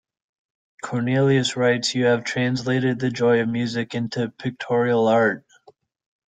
Cornelius writes, You have translated the joy of music into pictorial art.